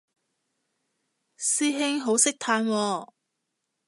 師兄好識嘆喎